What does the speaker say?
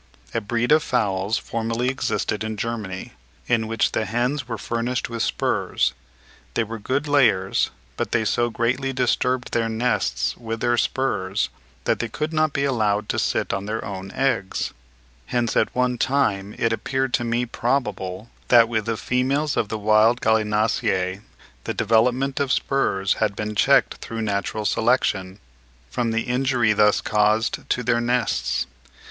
A breed of fowls formerly existed in Germany (6. Bechstein, 'Naturgeschichte Deutschlands,' 1793, B. iii. 339.) in which the hens were furnished with spurs; they were good layers, but they so greatly disturbed their nests with their spurs that they could not be allowed to sit on their own eggs. Hence at one time it appeared to me probable that with the females of the wild Gallinaceae the development of spurs had been checked through natural selection, from the injury thus caused to their nests.